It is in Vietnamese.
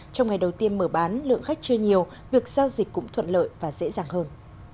trong ngày đầu tiên mở bán lượng khách chưa nhiều việc giao dịch cũng thuận lợi và dễ dàng hơn